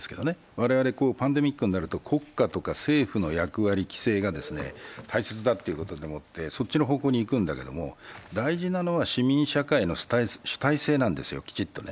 我々、パンデミックになると国家とか政府の役割、規制が大切だということでそっちの方向にいくんだけれども、大事なのは、市民社会の主体性なんですよ、きちっとね。